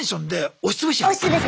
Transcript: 押し潰します。